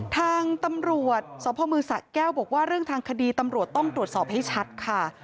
ทางตำรวจสพมสะแก้วบอกว่าเรื่องทางคดีตำรวจต้องตรวจสอบให้ชัดค่ะ